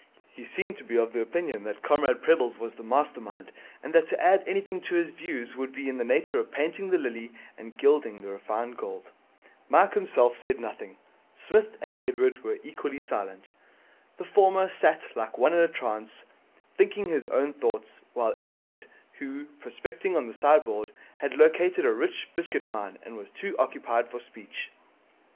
He seemed to be of the opinion that Comrade Prebble's was the master mind and that to add anything to his views would be in the nature of painting the lily and gilding the refined gold. Mike himself said nothing. Psmith and Edward were equally silent. The former sat like one in a trance, thinking his own thoughts, while Edward, who, prospecting on the sideboard, had located a rich biscuit mine, was too occupied for speech.